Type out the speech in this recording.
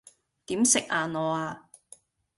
點食硬我呀?